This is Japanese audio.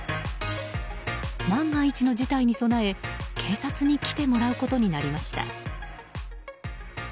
万が一の事態に備え、警察に来てもらうことになりました。